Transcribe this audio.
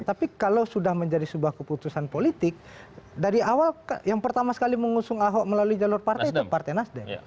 tapi kalau sudah menjadi sebuah keputusan politik dari awal yang pertama sekali mengusung ahok melalui jalur partai itu partai nasdem